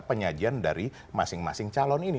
penyajian dari masing masing calon ini